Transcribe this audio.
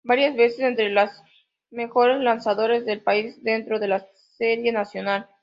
Varias veces entre los mejores lanzadores del país dentro de la Serie Nacional.